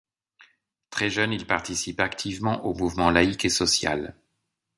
Très jeune, il participe activement au mouvement laïque et social.